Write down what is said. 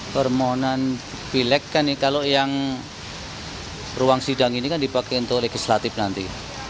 permohonan pilek kan kalau yang ruang sidang ini kan dipakai untuk legislatif nanti